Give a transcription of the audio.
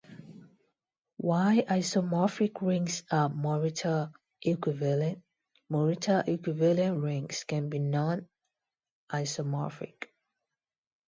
While isomorphic rings are Morita equivalent, Morita equivalent rings can be nonisomorphic.